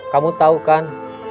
kamu tau kan